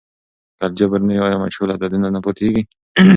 که الجبر نه وي، آیا مجهول عددونه نه پاتیږي؟